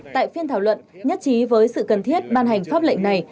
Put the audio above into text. tại phiên thảo luận nhất trí với sự cần thiết ban hành pháp lệnh này